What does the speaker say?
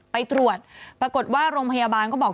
ไปตรวจปรากฏว่าโรงพยาบาลก็บอก